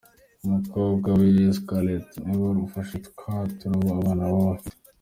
Umukobwa we Scarlett niwe wari ufashe twa turabo abana baba bafite.